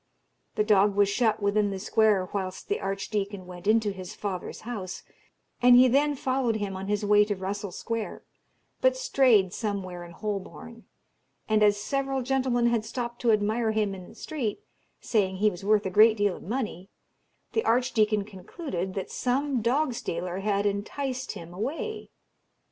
The dog was shut within the square whilst the Archdeacon went into his father's house, and he then followed him on his way to Russell Square, but strayed somewhere in Holborn; and as several gentlemen had stopped to admire him in the street, saying he was worth a great deal of money, the Archdeacon concluded that some dog stealer had enticed him away.